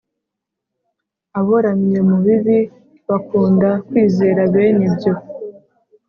Aboramye mu bibi, bakunda kwizera bene ibyo,